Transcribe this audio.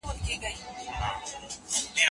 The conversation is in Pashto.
ناروغي د ورځني ژوند اغېزمنوي.